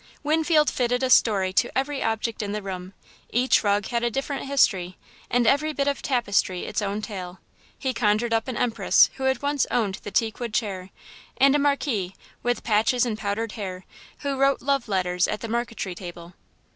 Winfield fitted a story to every object in the room. Each rug had a different history and every bit of tapestry its own tale. He conjured up an Empress who had once owned the teakwood chair, and a Marquise, with patches and powdered hair, who wrote love letters at the marquetry table.